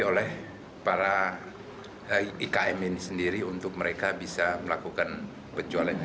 oleh para ikm ini sendiri untuk mereka bisa melakukan penjualannya